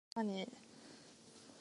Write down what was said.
許さねぇ。